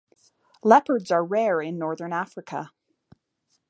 Leopards are rare in northern Africa.